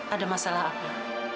ada masalah apa